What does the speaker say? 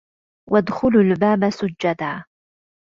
وَادْخُلُوا الْبَابَ سُجَّدًا